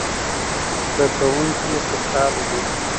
زده کوونکي خوشاله دي.